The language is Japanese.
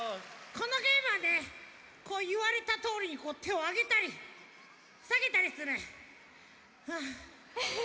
このゲームはねこういわれたとおりにてをあげたりさげたりするはあ。